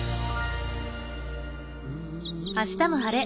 「あしたも晴れ！